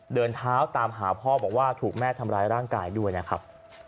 เดินเท้าตามหาพ่อบอกว่าถูกแม่ทำร้ายร่างกายด้วยนะครับ